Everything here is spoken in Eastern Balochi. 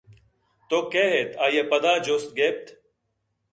توکئے اِت؟ آئیءَپدا جست گپت